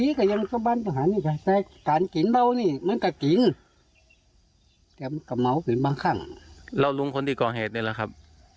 อีกกดสานขึ้นแมวนี่มันเก่าติงกันเหมาทุกบางครั้งเราร้องคนที่ก็เหตุภาพ